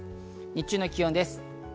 日中の気温です。